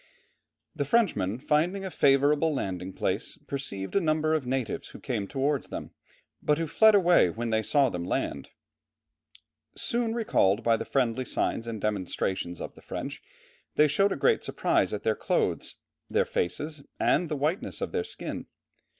The Frenchmen finding a favourable landing place, perceived a number of natives who came towards them, but who fled away when they saw them land. Soon recalled by the friendly signs and demonstrations of the French, they showed great surprise at their clothes, their faces, and the whiteness of their skin.